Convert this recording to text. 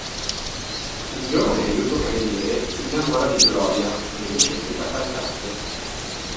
Un giovane aiuto cameriere si innamora di Gloria, un'egocentrica cantante.